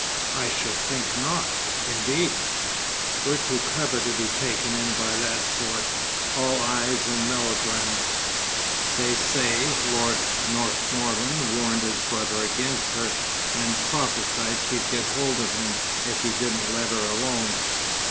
"I should think not, indeed! We're too clever to be taken in by that sort, all eyes and melodrama. They say Lord Northmorland warned his brother against her, and prophesied she'd get hold of him, if he didn't let her alone.